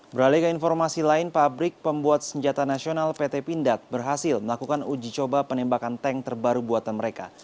beralih ke informasi lain pabrik pembuat senjata nasional pt pindad berhasil melakukan uji coba penembakan tank terbaru buatan mereka